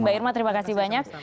mbak irma terima kasih banyak